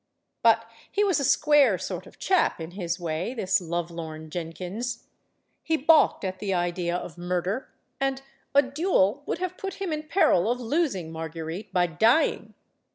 But he was a square sort of chap, in his way, this lovelorn Jenkins. He balked at the idea of mur der, and a duel would have put him in peril of losing Marguerite by dying.